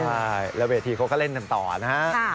ใช่แล้วเวทีเขาก็เล่นกันต่อนะฮะ